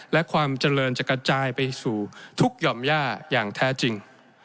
และความเจริญจะกระจายไปสู่ทุกหย่อมย่าอย่างแท้จริง